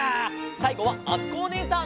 さいごはあつこおねえさん！